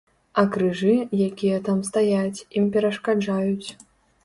А крыжы, якія там стаяць, ім перашкаджаюць.